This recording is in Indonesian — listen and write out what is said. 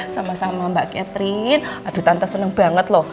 sama sama mbak catherine aduh tante seneng banget loh